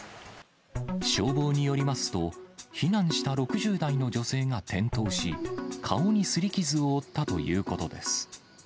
消防によりますと、避難した６０代の女性が転倒し、顔にすり傷を負ったということです。